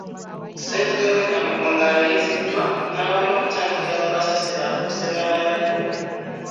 Ssentebe w'e Namugongo alayiziddwa n'awera okutandikira ku kasasiro afuuse baana baliwo